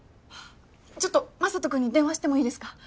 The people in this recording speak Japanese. ちょっと雅人君に電話してもいいですか？